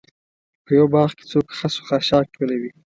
په یوه باغ کې څوک خس و خاشاک ټولوي.